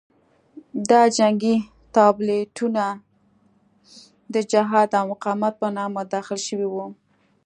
دا جنګي تابلیتونه د جهاد او مقاومت په نامه داخل شوي وو.